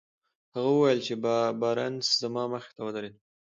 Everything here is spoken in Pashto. هغه وويل چې بارنس زما مخې ته ودرېد.